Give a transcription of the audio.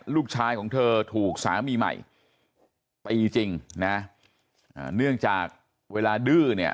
ลูกชายของเธอถูกสามีใหม่ตีจริงนะเนื่องจากเวลาดื้อเนี่ย